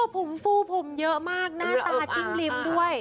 ผมฟูผมเยอะมากหน้าตาจิ้มลิ้มด้วย